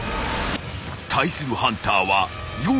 ［対するハンターは４体］